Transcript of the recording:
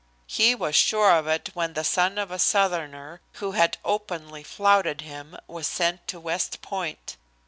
He was sure of it when the son of a Southerner, who had openly flouted him, was sent to West Point.